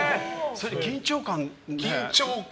緊張感。